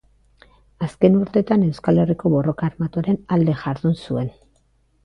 Azken urteetan Euskal Herriko borroka armatuaren alde jardun zuen.